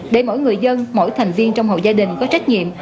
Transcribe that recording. để mỗi người dân mỗi thành viên trong hộ gia đình có trách nhiệm